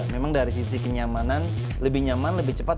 memang dari sisi kenyamanan lebih nyaman lebih cepat